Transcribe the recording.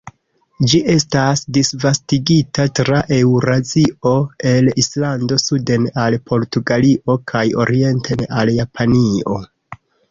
Ĝi estas disvastigita tra Eŭrazio el Islando suden al Portugalio kaj orienten al Japanio.